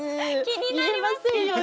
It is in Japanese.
気になりますけど。